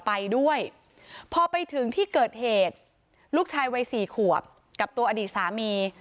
ไปด้วยพอไปถึงที่เกิดเหตุลูกชายวัยสี่ขวบกับตัวอดีตสามี